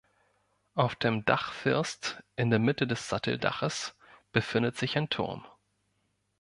Auf dem Dachfirst, in der Mitte des Satteldaches, befindet sich ein Turm.